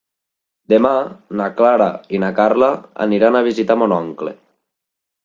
Demà na Clara i na Carla aniran a visitar mon oncle.